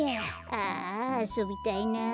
あああそびたいなあ。